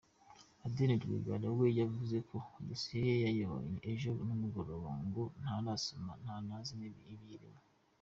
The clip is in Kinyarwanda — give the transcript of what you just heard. Adeline Rwigara we yavuze ko dosiye ye yayibonye ejo nimugoroba, ngo ntarasoma ntanazi ibiyirimo.